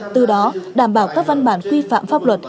từ đó đảm bảo các văn bản quy phạm pháp luật